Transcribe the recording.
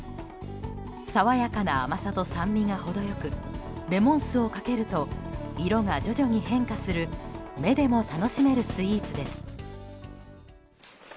爽やかな甘さと酸味が程良くレモン酢をかけると色が徐々に変化する目でも楽しめるスイーツです。